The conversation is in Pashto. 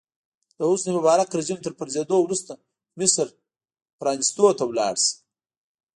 د حسن مبارک رژیم تر پرځېدو وروسته مصر پرانیستو ته لاړ شي.